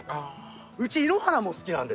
うち井ノ原も好きなんですよ